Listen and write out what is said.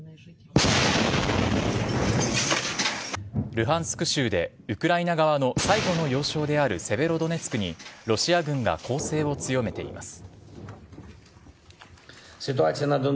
ルハンスク州でウクライナ側の最後の要衝であるセベロドネツクにロシア軍が攻勢を強めています。